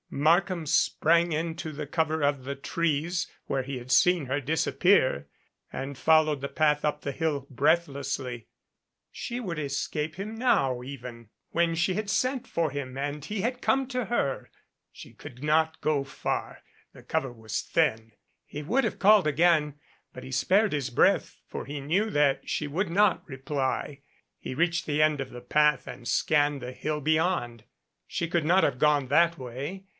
Markham sprang into the cover of the trees where he had seen her disappear and followed the path up the hill breathlessly. She would escape him now, even, when she had sent for him and he had come to her ! She could not go far. The cover was thin. He would have called again, but he spared his breath, for he knew that she would not reply. He reached the end of the path and scanned the hill beyond. She could not have gone that way.